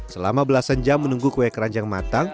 selama belasan jam menunggu kue keranjang matang